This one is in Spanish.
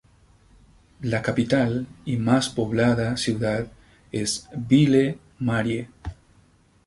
La capital y más poblada ciudad es Ville-Marie.